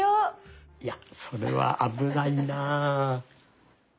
いやそれは危ないな。